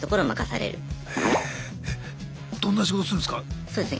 えどんな仕事するんすか？